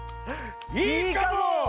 いいかも！